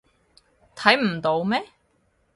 睇唔到咩？